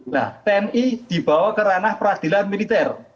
nah tni dibawa ke ranah peradilan militer